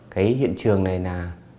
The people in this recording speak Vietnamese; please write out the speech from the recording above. cái hiện trường này là